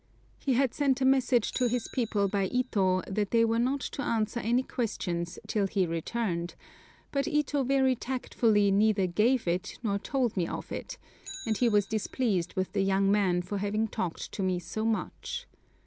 He had sent a message to his people by Ito that they were not to answer any questions till he returned, but Ito very tactfully neither gave it nor told me of it, and he was displeased with the young men for having talked to me so much.